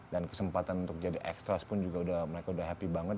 dan kesempatan untuk jadi extras pun juga mereka udah happy banget